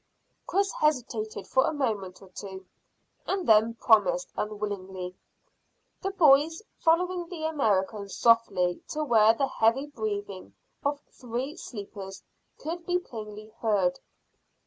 Chris hesitated for a moment or two, and then promised unwillingly, the boys following the American softly to where the heavy breathing of three sleepers could be plainly heard.